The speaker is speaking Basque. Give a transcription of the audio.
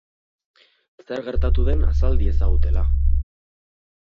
Zer gertatu den azal diezagutela.